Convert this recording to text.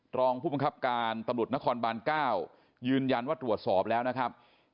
รองผู้บังคับการตำรวจนครบาน๙ยืนยันว่าตรวจสอบแล้วนะครับ